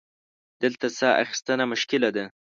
دلته سا اخیستنه مشکله ده.